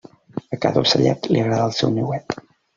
A cada ocellet li agrada el seu niuet.